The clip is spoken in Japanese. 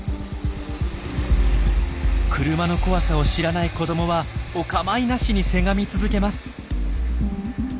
車の怖さを知らない子どもはお構いなしにせがみ続けます。